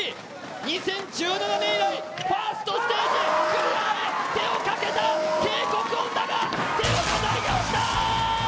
２０１７年以来、ファーストステージ、クリアへ手をかけた、警告音だが、押したー！